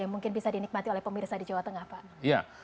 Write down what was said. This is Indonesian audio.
yang mungkin bisa dinikmati oleh pemirsa di jawa tengah pak